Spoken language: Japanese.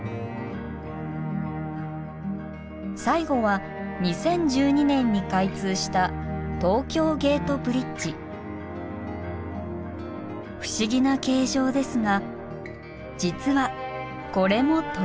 最後は２０１２年に開通した不思議な形状ですが実はこれもトラス橋。